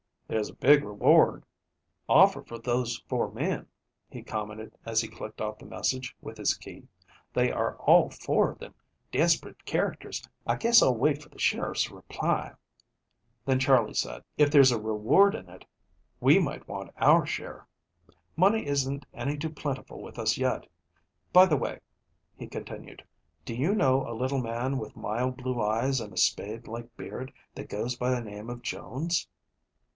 "There's a big reward offered for those four men," he commented as he clicked off the message with his key. "They are all four of them desperate characters. I guess I'll wait for the sheriff's reply;" then Charley said: "If there's a reward in it, we might want our share. Money isn't any too plentiful with us yet. By the way," he continued, "do you know a little man with mild blue eyes and a spade like beard that goes by the name of Jones?"